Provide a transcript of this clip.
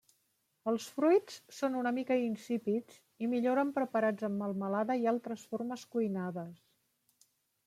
Els fruits són una mica insípids i milloren preparats en melmelada i altres formes cuinades.